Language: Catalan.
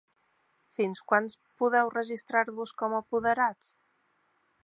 Fins quan podeu registrar-vos com a apoderats?